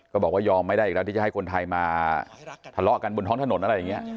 บอกว่ายอมไม่ได้อีกแล้วที่จะให้คนไทยมาทะเลาะกันบนท้องถนนอะไรอย่างนี้